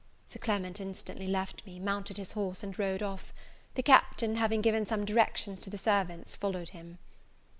Sir Clement instantly left me, mounted his horse, and rode off. The Captain having given some directions to the servants, followed him.